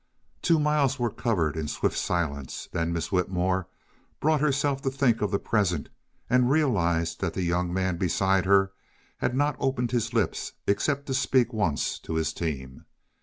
Two miles were covered in swift silence, then Miss Whitmore brought herself to think of the present and realized that the young man beside her had not opened his lips except to speak once to his team.